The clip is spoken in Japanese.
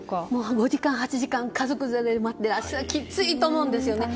５時間、８時間家族で待ってらっしゃるのはきついと思うんですよね。